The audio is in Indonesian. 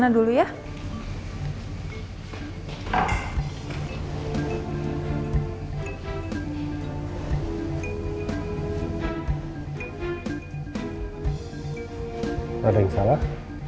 ada yang salah